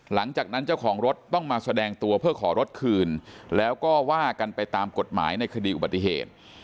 หลังจากนั้นเจ้าของรถต้องมาแสดงตัวเพื่อขอรถคืนแล้วก็ว่ากันไปตามกฎหมายในคดีอุบัติเหตุ